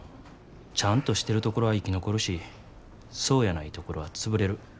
ちゃんとしてるところは生き残るしそうやないところは潰れる。